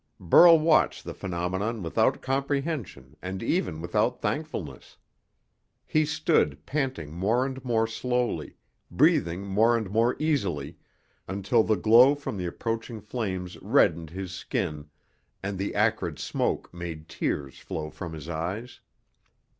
Burl watched the phenomenon without comprehension and even without thankfulness. He stood, panting more and more slowly, breathing more and more easily, until the glow from the approaching flames reddened his skin and the acrid smoke made tears flow from his eyes.